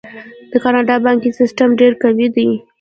د کاناډا بانکي سیستم ډیر قوي دی.